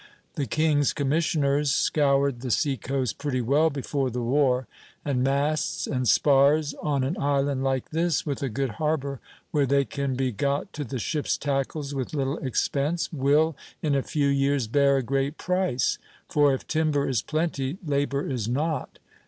The king's commissioners scoured the sea coast pretty well before the war; and masts and spars on an island like this, with a good harbor, where they can be got to the ship's tackles with little expense, will, in a few years, bear a great price; for if timber is plenty, labor is not.